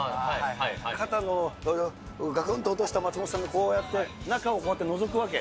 肩をがくんと落とした松本さんが、こうやって中をこうやってのぞくわけ。